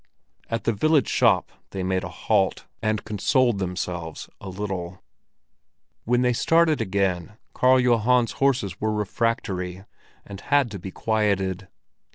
At the village shop they made a halt, and consoled themselves a little. When they started again, Karl Johan's horses were refractory, and had to be quieted.